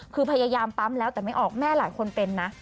คือพยายามปั๊มแล้วแต่ไม่ออกแม่หลายคนเป็นนะ